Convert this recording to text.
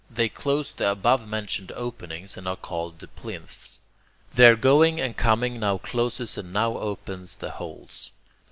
They close the above mentioned openings, and are called the plinths. Their going and coming now closes and now opens the holes.